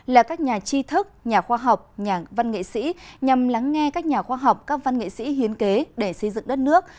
là các nhà chi thức nhà khoa học nhà văn nghệ sĩ nhằm lắng nghe các nhà khoa học các văn nghệ sĩ hiến kế để xây dựng đất nước